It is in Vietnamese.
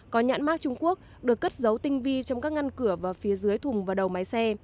có nhãn mát trung quốc được cất dấu tinh vi trong các ngăn cửa và phía dưới thùng và đầu máy xe